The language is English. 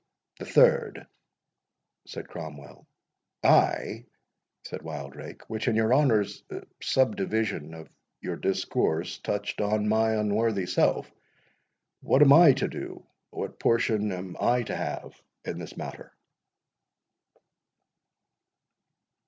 "The third?" said Cromwell. "Ay," said Wildrake, "which, in your honour's subdivision of your discourse, touched on my unworthy self. What am I to do—what portion am I to have in this matter?"